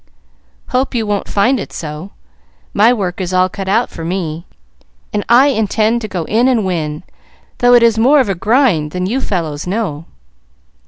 "Hope you won't find it so. My work is all cut out for me, and I intend to go in and win, though it is more of a grind than you fellows know."